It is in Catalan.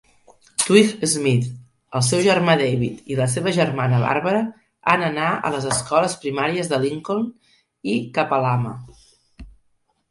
Twigg-Smith, el seu germà David, i la seva germana Barbara an anar a les escoles primàries de Lincoln i Kapalama.